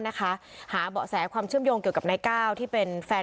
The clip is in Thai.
นะคะหาเบาะแสความเชื่อมโยงเกี่ยวกับนายก้าวที่เป็นแฟน